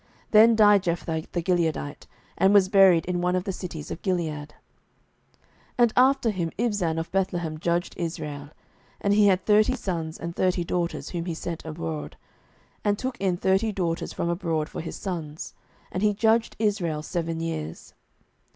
Then died Jephthah the Gileadite, and was buried in one of the cities of Gilead. 07:012:008 And after him Ibzan of Bethlehem judged Israel. 07:012:009 And he had thirty sons, and thirty daughters, whom he sent abroad, and took in thirty daughters from abroad for his sons. And he judged Israel seven years.